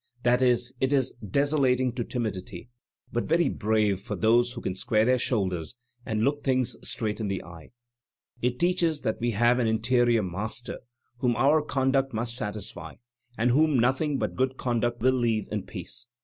That is, it is desolating to timidity, but very brave for those who can square their shoulders and look things straight in the eye. It teaches that we have an interior Master whom our conduct must satisfy and whom nothing but good conduct will leave in peace.